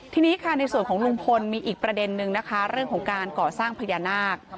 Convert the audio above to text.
ทีนี้ค่ะในส่วนของลุงพลมีอีกประเด็นนึงนะคะเรื่องของการก่อสร้างพญานาค